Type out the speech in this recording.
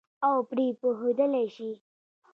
او پرې پوهېدلای شي.